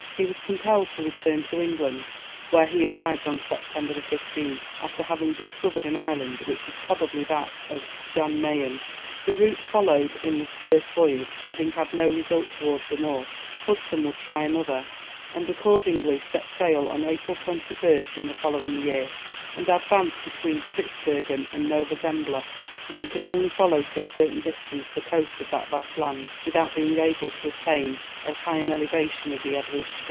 He was compelled to return to England, where he arrived on September 15th, after having discovered an island, which is probably that of Jan Mayen. The route followed in this first voyage having had no result towards the north, Hudson would try another, and accordingly set sail on April 21st in the following year, and advanced between Spitzbergen and Nova Zembla; but he could only follow for a certain distance the coast of that vast land, without being able to attain as high an elevation as he had wished.